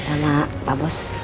sama pak bos